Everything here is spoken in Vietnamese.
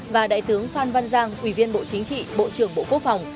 và đại tướng phan văn giang ủy viên bộ chính trị bộ trưởng bộ quốc phòng